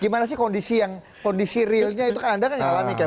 gimana sih kondisi yang kondisi realnya itu kan anda kan yang alami captain